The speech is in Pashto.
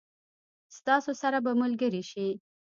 ستاسو سره به ملګري شي.